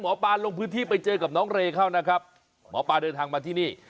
หมอปลาลงพื้นที่ไปเจอกับน้องเรเข้านะครับหมอปลาเดินทางมาที่นี่